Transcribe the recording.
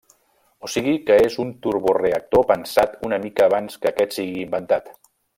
O sigui que és un turboreactor pensat una mica abans que aquest sigui inventat.